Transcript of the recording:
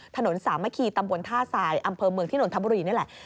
สามัคคีตำบลท่าทรายอำเภอเมืองที่นนทบุรีนี่แหละ